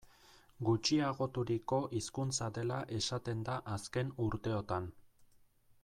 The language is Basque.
Gutxiagoturiko hizkuntza dela esaten da azken urteotan.